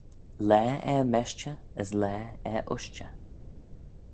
Laa er-meshtey as laa er ushtey